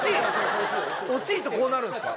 惜しいとこうなるんすか？